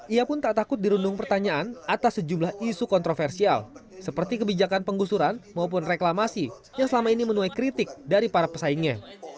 ia pun tak takut dirundung pertanyaan atas sejumlah isu kontroversial seperti kebijakan penggusuran maupun reklamasi yang selama ini menuai kritik dari para pesaingnya